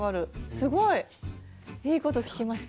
すごい！いいこと聞きました。